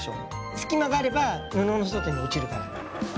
隙間があれば布の外に落ちるから。